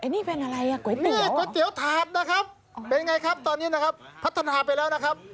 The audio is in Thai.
นี่เป็นอะไรอ่ะก๋วยเตี๋ยวนี่ก๋วยเตี๋ยวถาดนะครับเป็นไงครับตอนนี้นะครับพัฒนาไปแล้วนะครับ